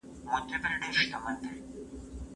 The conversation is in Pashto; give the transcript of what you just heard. که څوک جرم وکړي نو تسلیم به شي.